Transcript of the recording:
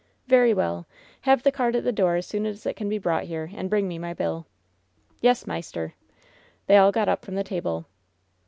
"Very well. Have the cart at the door as soon as it can be brought here, and bring me my bilL" "Yes, maister." They all got up from the table.